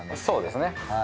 そうですね。